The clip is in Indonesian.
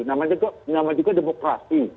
namanya juga demokrasi